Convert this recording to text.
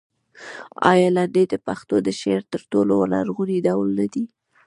آیا لنډۍ د پښتو د شعر تر ټولو لرغونی ډول نه دی؟